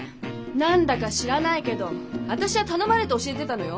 何だか知らないけど私は頼まれて教えてたのよ